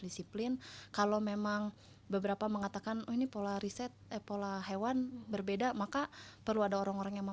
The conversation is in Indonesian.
dikurangkan kelas roda yang lama